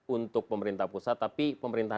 untuk pemerintah pusat tapi pemerintah